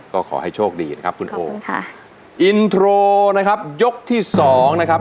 ก็ขอให้โชคดีนะครับคุณโอค่ะอินโทรนะครับยกที่สองนะครับ